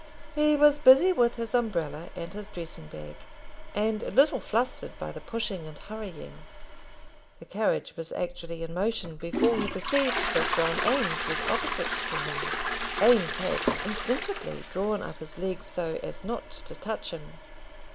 He was busy with his umbrella and his dressing bag, and a little flustered by the pushing and hurrying. The carriage was actually in motion before he perceived that John Eames was opposite to him: Eames had, instinctively, drawn up his legs so as not to touch him.